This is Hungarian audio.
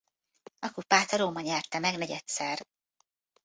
A kupát a Roma nyerte meg negyedszer.